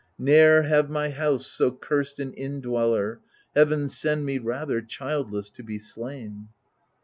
Ne'er have my house so cursed an indweller — Heaven send me, rather, childless to be slain